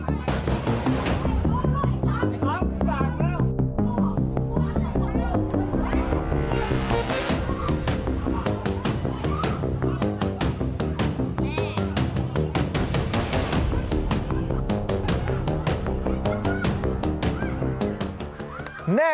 ครับสั่งแล้ว